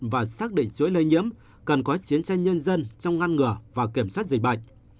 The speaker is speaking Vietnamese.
và xác định chuỗi lây nhiễm cần có chiến tranh nhân dân trong ngăn ngừa và kiểm soát dịch bệnh